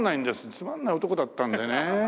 つまんない男だったんでね。